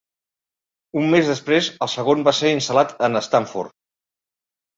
Un mes després el segon va ser instal·lat en Stanford.